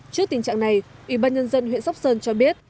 trước tình trạng này ủy ban nhân dân huyện sóc sơn cho biết